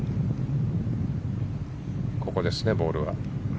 ここですね、ボールは。